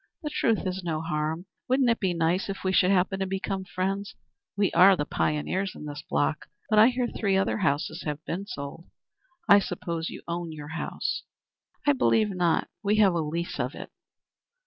"The truth is no harm. Wouldn't it be nice if we should happen to become friends? We are the pioneers in this block, but I hear three other houses have been sold. I suppose you own your house?" "I believe not. We have a lease of it."